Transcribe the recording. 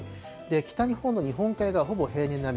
北日本の日本海側はほぼ平年並み。